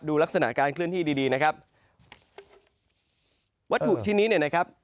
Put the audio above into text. ลักษณะการเคลื่อนที่ดีดีนะครับวัตถุชิ้นนี้เนี่ยนะครับ